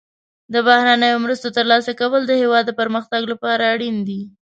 د بهرنیو مرستو ترلاسه کول د هیواد د پرمختګ لپاره اړین دي.